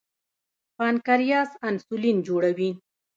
پانکریاس انسولین جوړوي.